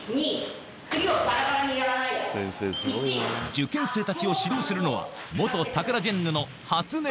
受験生たちを指導するのは５・６・７！